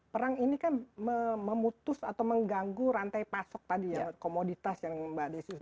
perang ini kan memutus atau mengganggu rantai pasok tadi ya komoditas yang mbak desi sebutkan